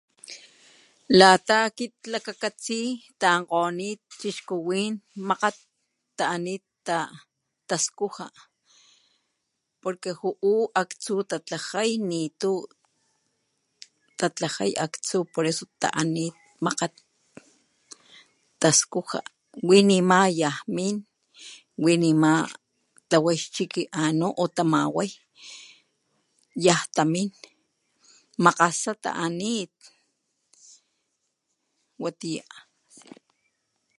Lata akit lakakatsi tankgonit lakchixkuwin makgat taanit taskuja porqu juu aktsu tatlajay lata juu nitu aktsu tatlajay aktsu poreso taanit makgat taskuja winimayan min winima tlawa xchiki anu o tamaway yantamin makgasa taanit watiya.